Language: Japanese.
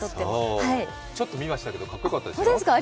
ちょっと見ましたけどかっこよかったですよ。